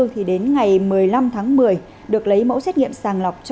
thì đến ngày một mươi năm tháng một mươi được lấy mẫu xét nghiệm sàng lọc